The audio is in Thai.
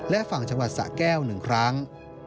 และฝั่งจังหวัดสะแก้ว๑ครั้ง